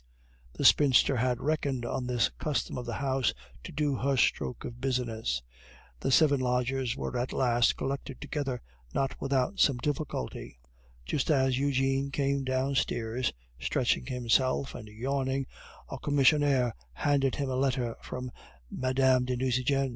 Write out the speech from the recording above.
The spinster had reckoned on this custom of the house to do her stroke of business. The seven lodgers were at last collected together, not without some difficulty. Just as Eugene came downstairs, stretching himself and yawning, a commissionaire handed him a letter from Mme. de Nucingen.